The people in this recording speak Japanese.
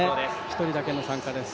１人だけの参加です。